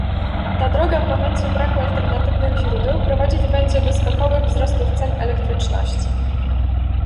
Ta droga w momencie braku alternatywnych źródeł prowadzić będzie do skokowych wzrostów cen elektryczności